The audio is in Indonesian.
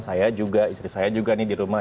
saya juga istri saya juga nih di rumah